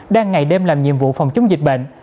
đang ngày đêm làm nhiệm vụ phòng chống dịch bệnh